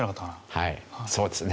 はいそうですね。